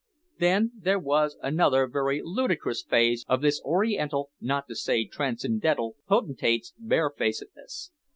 Then there was another very ludicrous phase of this oriental, not to say transcendental, potentate's barefacedness.